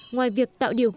ngoài việc tạo điều kiện